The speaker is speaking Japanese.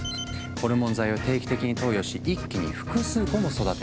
ホルモン剤を定期的に投与し一気に複数個も育てる。